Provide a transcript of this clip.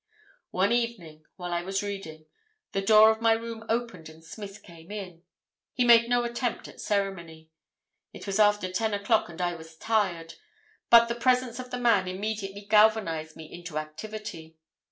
"One evening, while I was reading, the door of my room opened and Smith came in. He made no attempt at ceremony. It was after ten o'clock and I was tired, but the presence of the man immediately galvanised me into activity.